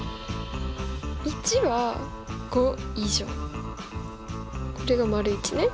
①は５以上これが①ね。